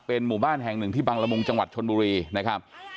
หมู่บ้านแห่งหนึ่งที่บังละมุงจังหวัดชนบุรีนะครับ